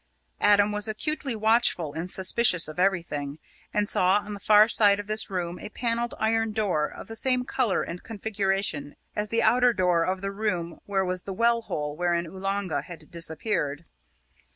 Adam was acutely watchful and suspicious of everything, and saw on the far side of this room a panelled iron door of the same colour and configuration as the outer door of the room where was the well hole wherein Oolanga had disappeared.